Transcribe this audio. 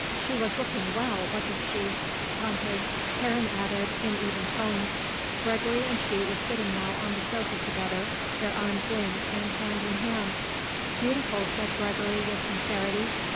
She was looking well, wasn't she, Tante?" Karen added, in even tones. Gregory and she were sitting now on the sofa together, their arms linked and hand in hand. "Beautiful," said Gregory with sincerity.